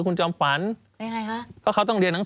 สนุนโดยหวานได้ทุกที่ที่มีพาเลส